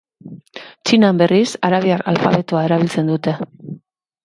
Txinan, berriz, arabiar alfabeto erabiltzen dute.